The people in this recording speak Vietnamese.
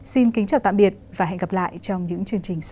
xin kính chào tạm biệt và hẹn gặp lại trong những chương trình sau